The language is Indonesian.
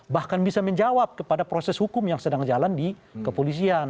bahkan bisa menjawab kepada proses hukum yang sedang jalan di kepolisian